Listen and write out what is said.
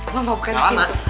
mama bukan gitu